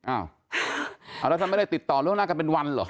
อ้าวแล้วฉันไม่ได้ติดต่อเรื่องนั้นกันเป็นวันเหรอ